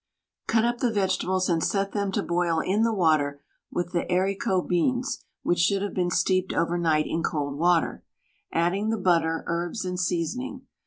Cut up the vegetables and set them to boil in the water with the haricot beans (which should have been steeped over night in cold water), adding the butter, herbs, and seasoning.